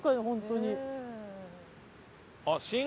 本当に。